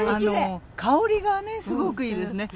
香りがね、すごくいいですね。